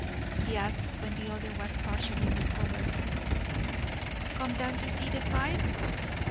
he asked when the other was partially recovered. "Come down to see the fight?"